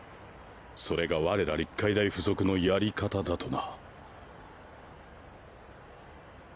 それが我ら立海大附属のやり方だとな。